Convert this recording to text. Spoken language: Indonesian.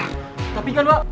tapi kan pak